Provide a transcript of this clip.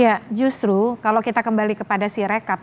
ya justru kalau kita kembali kepada si rekap